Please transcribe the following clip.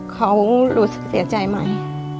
เขารู้สึกเสียใจไหม